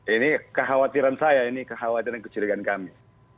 ini kekhawatiran saya ini kekhawatiran dan kecurigaan kami